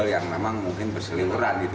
yang memang mungkin berseliweran gitu